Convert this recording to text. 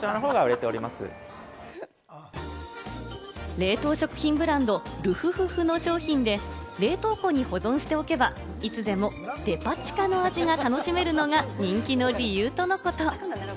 冷凍食品ブランド・ルフフフの商品で、冷凍庫に保存しておけば、いつでもデパ地下の味が楽しめるのが人気の理由とのこと。